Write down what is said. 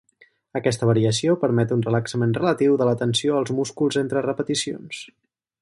Aquesta variació permet un relaxament relatiu de la tensió als músculs entre repeticions.